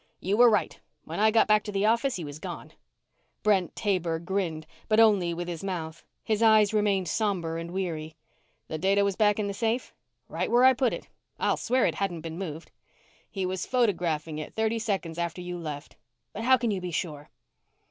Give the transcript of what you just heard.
"You were right. When I got back to the office, he was gone." Brent Taber grinned, but only with his mouth his eyes remained somber and weary. "The data was back in the safe?" "Right where I put it. I'll swear it hadn't been moved." "He was photographing it thirty seconds after you left." "But how can you be sure?"